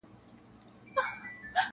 یو لوی مرض دی لویه وبا ده.!